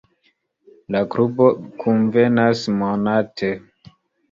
La klubo kunvenas monate.